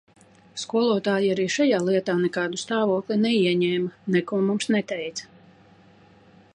Skolotāji arī šajā lietā nekādu stāvokli neieņēma, neko mums neteica.